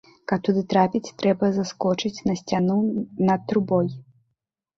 Каб туды трапіць, трэба заскочыць на сцяну над трубой.